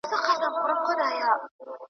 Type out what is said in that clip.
زموږ په سیوري کي جامونه کړنګېدلای .